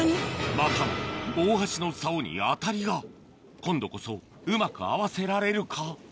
またも大橋の竿にアタリが今度こそうまく合わせられるか？